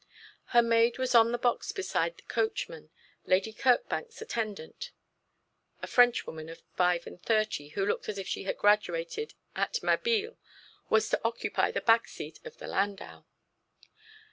Her maid was on the box beside the coachman. Lady Kirkbank's attendant, a Frenchwoman of five and thirty, who looked as if she had graduated at Mabille, was to occupy the back seat of the landau.